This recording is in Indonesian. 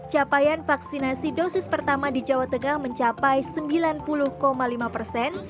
capaian vaksinasi dosis pertama di jawa tengah mencapai sembilan puluh lima persen